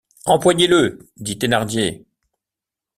Empoignez-le! dit Thénardier.